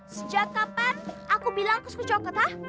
sejak kapan aku bilang kesukaan coklat hah